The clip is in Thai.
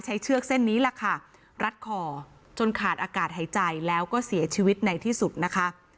เชือกเส้นนี้แหละค่ะรัดคอจนขาดอากาศหายใจแล้วก็เสียชีวิตในที่สุดนะคะ